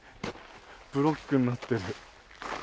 ブロックになってる。